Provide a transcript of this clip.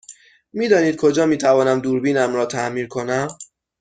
می دانید کجا می تونم دوربینم را تعمیر کنم؟